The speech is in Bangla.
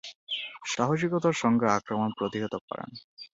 সাহসিকতার সঙ্গে আক্রমণ প্রতিহত করেন।